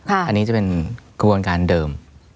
อันนี้จะเป็นกระบวนการเดิม